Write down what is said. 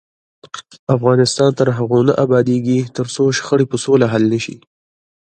افغانستان تر هغو نه ابادیږي، ترڅو شخړې په سوله حل نشي.